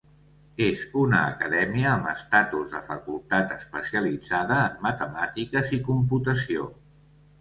És una acadèmia amb estatus de facultat especialitzada en matemàtiques i computació.